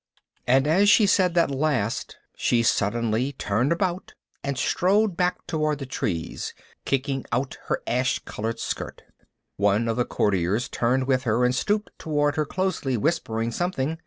And as she said that last, she suddenly turned about and strode back toward the trees, kicking out her ash colored skirt. One of the courtiers turned with her and stooped toward her closely, whispering something.